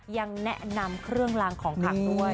ยังแนะนำเครื่องลางของขังด้วย